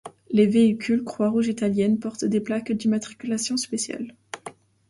Les véhicules Croix-Rouge italienne portent des plaques d'immatriculation spéciales.